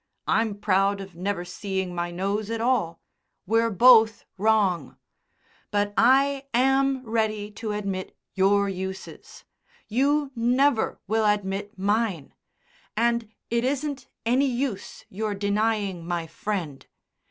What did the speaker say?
I'm proud of never seeing my nose at all: we're both wrong. But I am ready to admit your uses. You never will admit mine; and it isn't any use your denying my Friend.